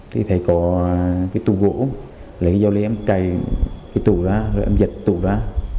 thì thấy có cái tủ gỗ lấy giao lý em cày cái tủ ra rồi em giật tủ ra